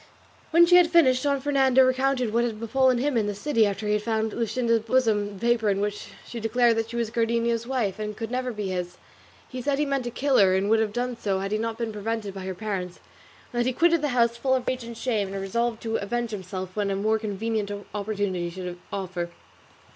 When she had finished Don Fernando recounted what had befallen him in the city after he had found in Luscinda's bosom the paper in which she declared that she was Cardenio's wife, and never could be his. He said he meant to kill her, and would have done so had he not been prevented by her parents, and that he quitted the house full of rage and shame, and resolved to avenge himself when a more convenient opportunity should offer.